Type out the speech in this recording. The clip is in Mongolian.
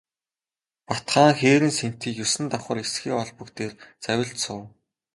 Бат хаан хээрийн сэнтий есөн давхар эсгий олбог дээр завилж суув.